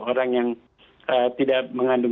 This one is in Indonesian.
orang yang tidak mengandung